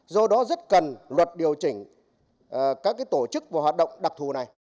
do đó rất cần luật điều chỉnh các tổ chức và hoạt động đặc thù này